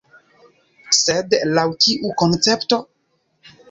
Sed laŭ kiu koncepto?